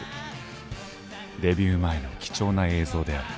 デビュー前の貴重な映像である。